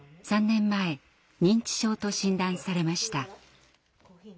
３年前認知症と診断されました。